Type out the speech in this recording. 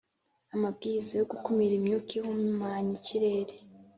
amabwiriza yo gukumira imyuka ihumanya ikirere